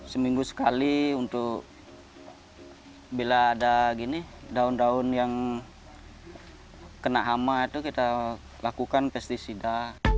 seminggu sekali untuk bila ada daun daun yang kena hama itu kita lakukan pesticida